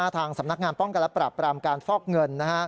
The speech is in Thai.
ทางสำนักงานป้องกันและปรับปรามการฟอกเงิน